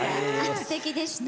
すてきでした。